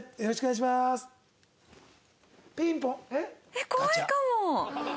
えっ怖いかも！